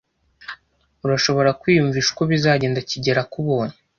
Urashobora kwiyumvisha uko bizagenda kigeli akubonye?